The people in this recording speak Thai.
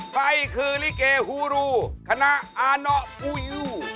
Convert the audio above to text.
ใครคือลิเกฮูรูคณะอาเนาะอูยู